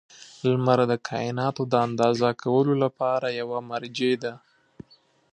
• لمر د کایناتو د اندازه کولو لپاره یوه مرجع ده.